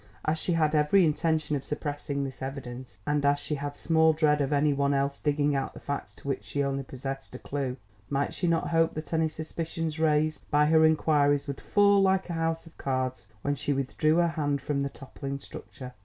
As she had every intention of suppressing this evidence, and as she had small dread of any one else digging out the facts to which she only possessed a clew, might she not hope that any suspicions raised by her inquiries would fall like a house of cards when she withdrew her hand from the toppling structure?